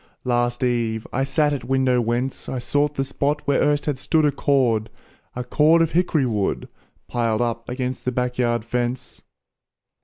Last eve, I sat at window whence I sought the spot where erst had stood A cord a cord of hick'ry wood, Piled up against the back yard fence.